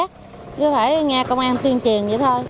chứ phải nghe công an tuyên truyền vậy thôi